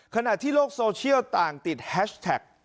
ขณะที่โลกโซเชียลต่างติดแฮชแท็ก